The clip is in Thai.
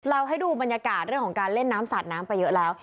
ให้ดูบรรยากาศเรื่องของการเล่นน้ำสาดน้ำไปเยอะแล้ว